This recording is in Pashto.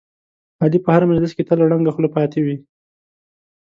علي په هر مجلس کې تل ړنګه خوله پاتې وي.